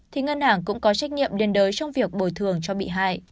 thì ngân hàng cũng có trách nhiệm liên đới trong việc bồi thường cho bị hại